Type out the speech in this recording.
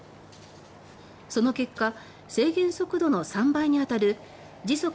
その結果制限速度の３倍にあたる時速